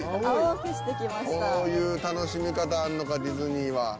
こういう楽しみ方あんのかディズニーは。